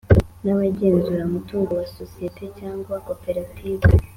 Nabagenzura umutungo wa sosiyete cyangwa wa koperative